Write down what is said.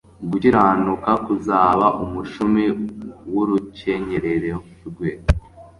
gukiranuka kuzaba umushumi w'urukenyerero rwe.»